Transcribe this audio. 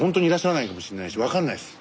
分かんないです。